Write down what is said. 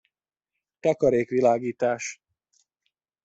Takarékvilágítás.